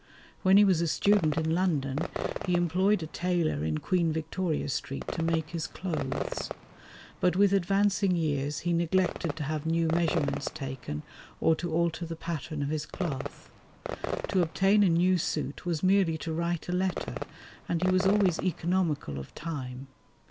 When he was a student in London he employed a tailor in Queen Victoria Street to make his clothes; but with advancing years he neglected to have new measurements taken or to alter the pattern of his cloth. To obtain a new suit was merely to write a letter, and he was always economical of time.